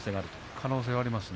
可能性あります。